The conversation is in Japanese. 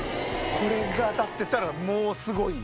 これが当たってたらもうすごいよ！